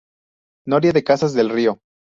Noria de Casas del Río.